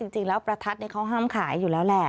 จริงแล้วประทัดเขาห้ามขายอยู่แล้วแหละ